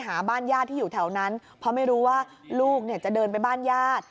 หาบ้านญาติที่อยู่แถวนั้นเพราะไม่รู้ว่าลูกเนี่ยจะเดินไปบ้านญาติ